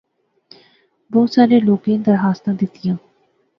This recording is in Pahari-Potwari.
بہوں سارے لوکیں درخواستاں دیتیاں